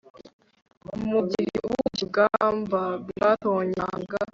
mugihe ubuki bwa amber bwatonyanga